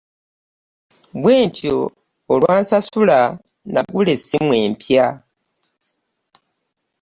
Bwentyo olwansasula negula essimu epya .